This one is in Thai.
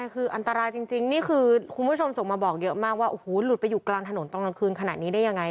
คุณผู้ชมส่งมาบอกเยอะมากว่าหลุดไปอยู่กลางถนนตอนกลางคืนขนาดนี้ได้ยังไง